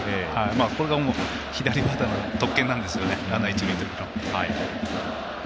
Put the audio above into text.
これが左バッターの特権なんですよね。